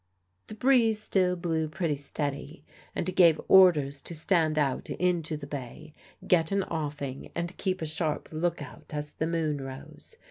The breeze still blew pretty steady, and he gave orders to stand out into the bay, get an offing, and keep a sharp look out as the moon rose.